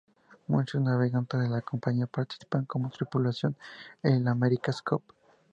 Muchos navegantes de Campania participan como tripulación en la America's Cup.